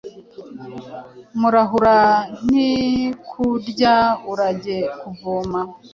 Murahura ,ntikurya ! urajye kuvoma ,